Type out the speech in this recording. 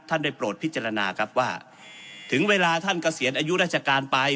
ท่านได้โปรดพิจารณาครับว่าถึงเวลาท่านเกษียณอายุราชการไป